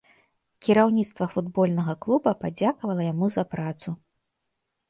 Кіраўніцтва футбольнага клуба падзякавала яму за працу.